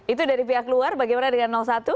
itu dari pihak luar bagaimana dengan satu